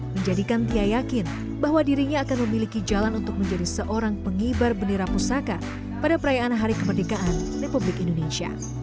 menjadikan tia yakin bahwa dirinya akan memiliki jalan untuk menjadi seorang pengibar bendera pusaka pada perayaan hari kemerdekaan republik indonesia